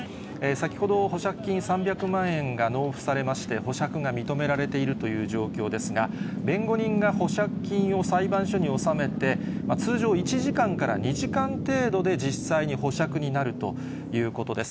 先ほど保釈金３００万円が納付されまして、保釈が認められているという状況ですが、弁護人が保釈金を裁判所に納めて、通常１時間から２時間程度で実際に保釈になるということです。